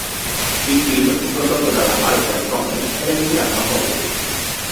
Il film fu prodotto dalla Biograph Company e venne girato a Hollywood.